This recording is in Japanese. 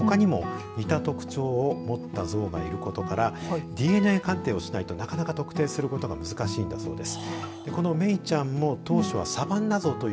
ただこのマルミミゾウはほかにも似た特徴を持ったゾウがいることからＤＮＡ鑑定をしないとなかなか特定することが難しいんだそうです。